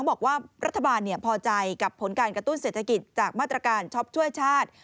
บอกว่ารัฐบาลพอใจกับผลการกระตุ้นเศรษฐกิจจากมาตรการช็อปช่วยชาติ